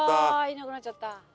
いなくなっちゃった。